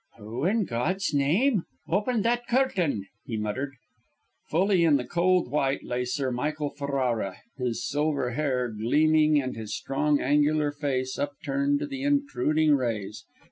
"Who, in God's name, opened that curtain!" he muttered. Fully in the cold white light lay Sir Michael Ferrara, his silver hair gleaming and his strong, angular face upturned to the intruding rays.